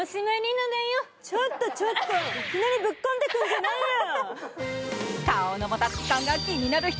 ちょっとちょっといきなりブッ込んでくるんじゃないよ。